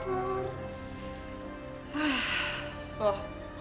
aduh nggak deh